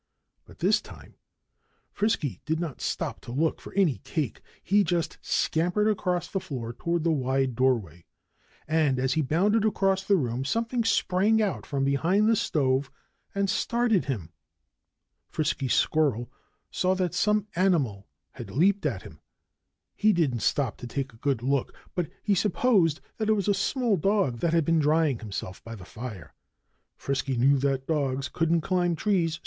But this time Frisky did not stop to look for any cake. He just scampered across the floor toward the wide doorway. And as he bounded across the room something sprang out from behind the stove and started after him. Frisky Squirrel saw that some animal had leaped at him. He didn't stop to take a good look; but he supposed that it was a small dog that had been drying himself by the fire. Frisky knew that dogs couldn't climb trees.